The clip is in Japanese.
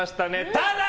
ただ！